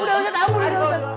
ustadz aku mau tarik